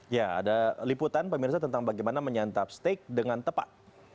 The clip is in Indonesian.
ya ada liputan pemirsa tentang bagaimana menyantap steak dengan tepat